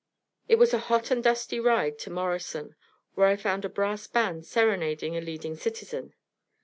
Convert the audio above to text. It was a hot and dusty ride to Morrison, where I found a brass band serenading a leading citizen.